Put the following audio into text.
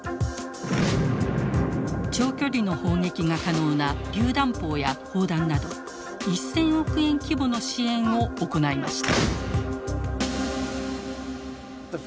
長距離の砲撃が可能なりゅう弾砲や砲弾など１，０００億円規模の支援を行いました。